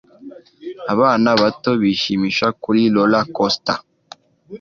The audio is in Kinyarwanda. abana bato bato bishimisha kuri roller coaster